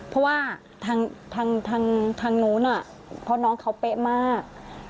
เพราะว่าทางนู้นเพราะน้องเขาเป๊ะมาก